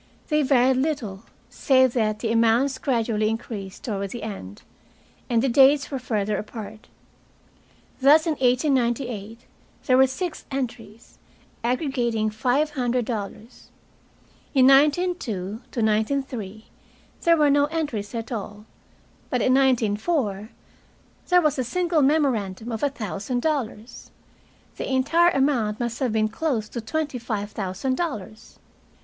They varied little, save that the amounts gradually increased toward the end, and the dates were further apart. Thus, in 1898 there were six entries, aggregating five hundred dollars. In 1902 1903 there were no entries at all, but in 1904 there was a single memorandum of a thousand dollars. The entire amount must have been close to twenty five thousand dollars.